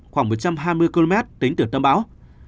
khoảng một trăm hai mươi km tính từ tâm bão